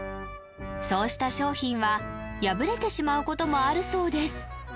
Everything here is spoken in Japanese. そうした商品は破れてしまうこともあるそうです